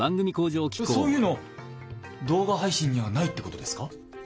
そういうの動画配信にはないってことですか？